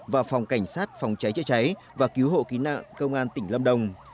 và phòng cảnh sát phòng cháy chữa cháy và cứu hộ ký nạn công an tỉnh lâm đồng